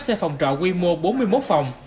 xe phòng trọ quy mô bốn mươi một phòng